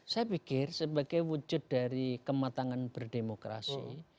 saya pikir sebagai wujud dari kematangan berdemokrasi